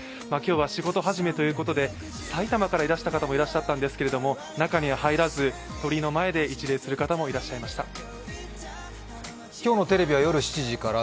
今日は仕事始めということで埼玉からいらした方もいらっしゃったんですけれど中には入らず、鳥居の前で一礼する方もいらっしゃいました。